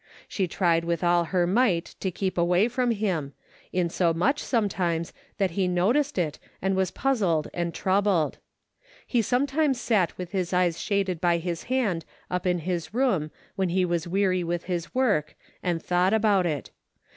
She tried with all her might to keep away from him, insomuch, sometimes, that he noticed it and was puzzled and troubled, hie some times sat with his ejms shaded by his hand up in his room when he was weary with his work, and thought about it.